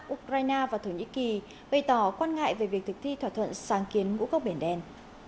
ukraine và thổ nhĩ kỳ bày tỏ quan ngại về việc thực thi thỏa thuận sáng kiến ngũ cốc biển đen